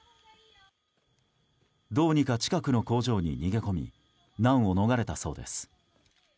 どうにか近くの工場に逃げ込み難を逃れたそうです。